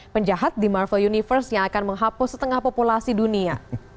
penjahat di marvel universe yang akan menghapus setengah populasi dunia